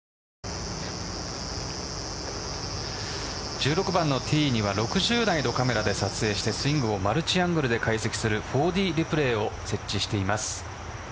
１６番のティーには６０台のカメラで撮影してスイングをマルチアングルで解析する４Ｄリプレイを設置しています。